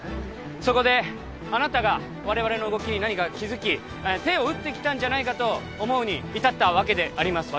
そこであなたが我々の動きに何か気づき手を打ってきたんじゃないかと思うに至ったわけであります